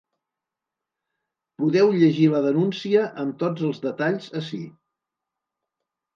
Podeu llegir la denúncia amb tots els detalls ací.